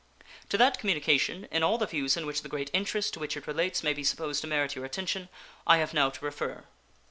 To that communication, in all the views in which the great interest to which it relates may be supposed to merit your attention, I have now to refer.